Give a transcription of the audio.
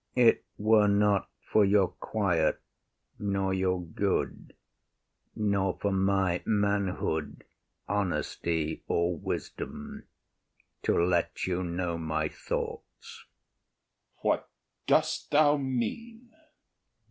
It were not for your quiet nor your good, Nor for my manhood, honesty, or wisdom, To let you know my thoughts. OTHELLO. What dost thou mean?